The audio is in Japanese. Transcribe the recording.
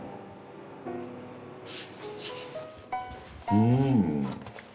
うん。